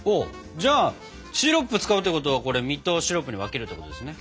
じゃあシロップ使うってことはこれ実とシロップに分けるってことですね？